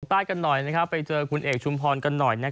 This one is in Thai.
ใต้กันหน่อยไปเจอคุณเอกชุมพรกันหน่อย